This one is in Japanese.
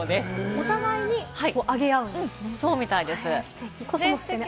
お互いにあげ合うんですね、ステキ。